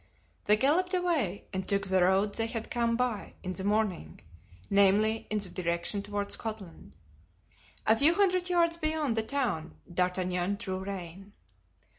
They galloped away and took the road they had come by in the morning, namely, in the direction toward Scotland. A few hundred yards beyond the town D'Artagnan drew rein.